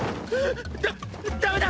ダッダメだ